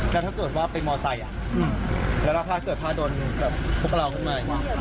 แต่ถ้าเกิดว่าไปมอสไซย่มแล้วถ้าเกิดพาดนพวกเราคุกมาเลย